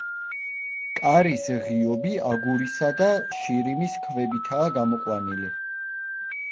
კარის ღიობი აგურისა და შირიმის ქვებითაა გამოყვანილი.